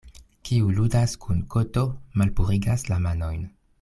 Kiu ludas kun koto, malpurigas la manojn.